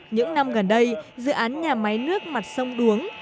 những năm gần đây dự án nhà máy nước mặt sông đuống